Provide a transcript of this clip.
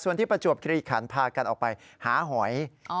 ส่วนที่ประจวบคลีขันพากันออกไปหาหอย